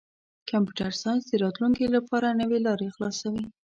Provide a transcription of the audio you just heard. کمپیوټر ساینس د راتلونکي لپاره نوې لارې خلاصوي.